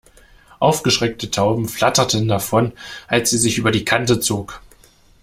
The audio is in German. Aufgeschreckte Tauben flatterten davon, als sie sich über die Kante zog.